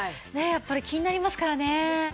やっぱり気になりますからね。